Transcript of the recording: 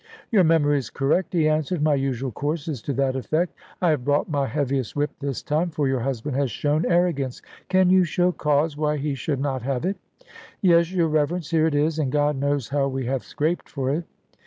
"Your memory is correct," he answered; "my usual course is to that effect. I have brought my heaviest whip this time, for your husband has shown arrogance. Can you show cause why he should not have it?" "Yes, your Reverence, here it is. And God knows how we have scraped for it."